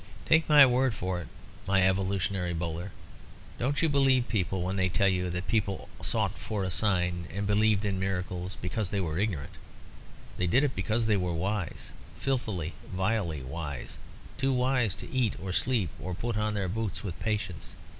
Take my word for it, my evolutionary Bowler, don't you believe people when they tell you that people sought for a sign, and believed in miracles because they were ignorant. They did it because they were wise, filthily, vilely wise too wise to eat or sleep or put on their boots with patience.